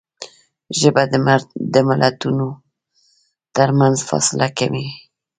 ژبه د ملتونو ترمنځ فاصله کموي